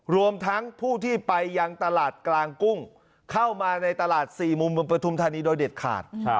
รวมทั้งผู้ที่ไปยังตลาดกลางกุ้งเข้ามาในตลาด๔มุมเมืองปฐุมธานีโดยเด็ดขาด